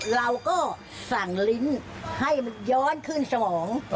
เราก็สั่งลิ้นให้มันย้อนขึ้นสมอง